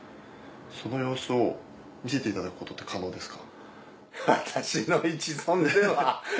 その様子を見せていただくことって可能ですか？